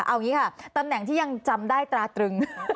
เอาอย่างนี้ค่ะตำแหน่งที่ยังจำได้ตราตรึง